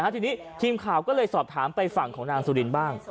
ทีนี้ทีมข่าวก็เลยสอบถามไปฝั่งของนางสุรินบ้าง